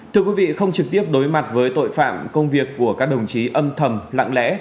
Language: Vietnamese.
thưa quý vị không trực tiếp đối mặt với tội phạm công việc của các đồng chí âm thầm lặng lẽ